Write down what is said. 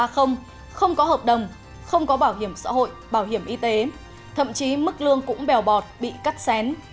không có hợp đồng không có bảo hiểm xã hội bảo hiểm y tế thậm chí mức lương cũng bèo bọt bị cắt xén